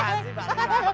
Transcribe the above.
makasih pak lurah